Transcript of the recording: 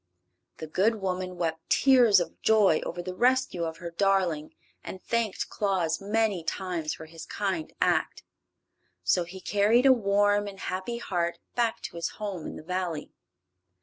The good woman wept tears of joy over the rescue of her darling and thanked Claus many times for his kind act. So he carried a warm and happy heart back to his home in the Valley.